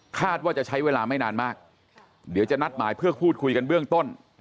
คาดว่าจะใช้เวลาไม่นานมากเดี๋ยวจะนัดหมายเพื่อพูดคุยกันเบื้องต้น